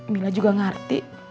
mila juga ngerti